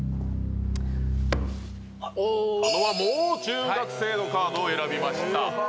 おもう中学生のカードを選びました